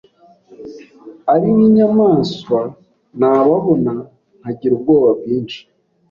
ari nk’inyamaswa nababona nkagira ubwoba bwinshi,